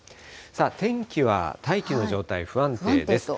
天気は大気の状態、不安定です。